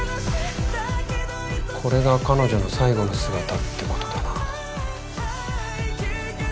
これが彼女の最後の姿ってことだな。